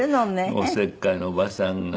おせっかいなおばさんが。